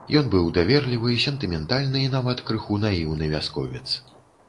Ён быў даверлівы, сентыментальны, і нават крыху наіўны вясковец.